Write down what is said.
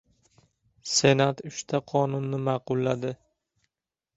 Senat uchta qonunni ma’qulladi